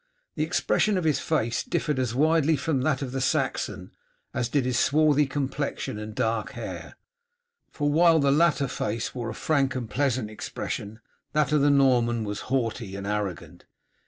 The expression of his face differed as widely from that of the Saxon as did his swarthy complexion and dark hair, for while the latter face wore a frank and pleasant expression, that of the Norman was haughty and arrogant.